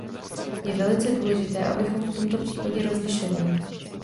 Je velice důležité, abychom v tomto případě rozlišovali.